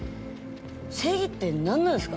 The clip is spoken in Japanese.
正義って何なんすか？